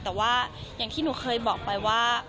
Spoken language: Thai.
แต่ว่าอย่างที่หนูเคยบอกไปว่า